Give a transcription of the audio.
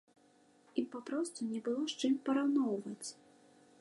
Ім папросту не было з чым параўноўваць!